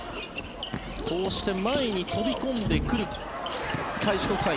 こうして前に飛び込んでくる開志国際。